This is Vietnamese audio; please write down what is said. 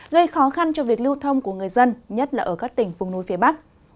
gây khó khăn cho việc lưu thông của người dân nhất là ở các tỉnh vùng núi phía bắc